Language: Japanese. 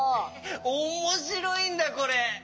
おもしろいんだよこれ。